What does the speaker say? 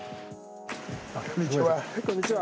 こんにちは。